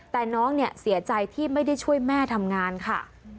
แต่น้องเนี่ยเสียใจที่ไม่ได้ช่วยแม่ทำงานค่ะ